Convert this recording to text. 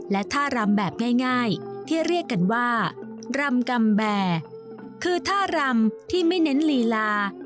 และท่ารำแบบง่ายที่เรียกกันว่ารำกำแบร์คือท่ารำที่ไม่เน้นลีลา